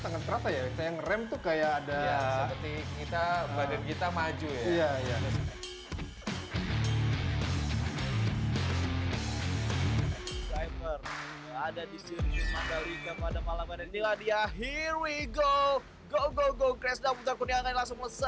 hai ini sangat rata ya yang rem tuh kayak ada seperti kita badan kita maju ya ya